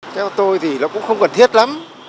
theo tôi thì nó cũng không cần thiết lắm